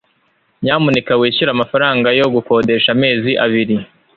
Nyamuneka wishyure amafaranga yo gukodesha amezi abiri.